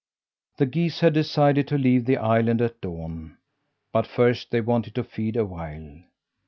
The geese had decided to leave the island at dawn, but first they wanted to feed awhile.